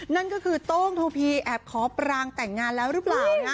นั่นก็คือโต้งโทพีแอบขอปรางแต่งงานแล้วหรือเปล่านะ